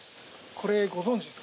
これご存じですか？